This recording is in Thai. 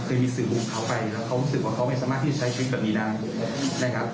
เคยมีสื่อของเขาไปแล้วเขารู้สึกว่าเขาไม่สามารถที่จะใช้ชีวิตแบบนี้ได้นะครับ